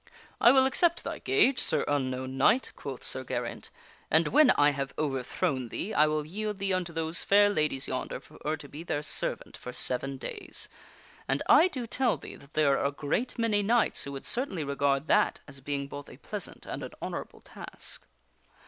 " I will accept thy gage, Sir Unknown Knight," quoth Sir Geraint, " and when I have overthrown thee, I will yield thee unto those fair ladies yonder for to be their servant for seven days. And I do tell thee that there are a great many knights who would certainly regard that as being both a pleasant and an honorable task."